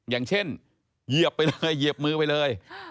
อย่างเช่นเหยียบไปเลยเหยียบมือไปเลย